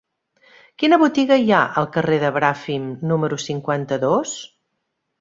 Quina botiga hi ha al carrer de Bràfim número cinquanta-dos?